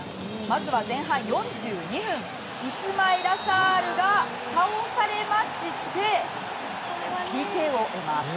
まずは前半４２分イスマイラ・サールが倒されてＰＫを得ます。